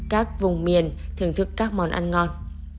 các vùng miền thưởng thức các món ăn ngon